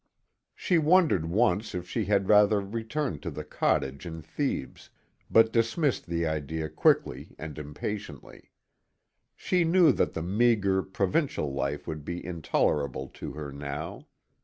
She wondered once if she had rather return to the cottage in Thebes, but dismissed the idea quickly and impatiently. She knew that the meagre, provincial life would be intolerable to her now.